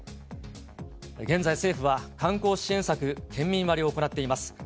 現在、政府は観光支援策、県民割を行っています。